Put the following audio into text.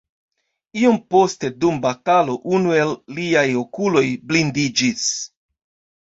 Iom poste dum batalo unu el liaj okuloj blindiĝis.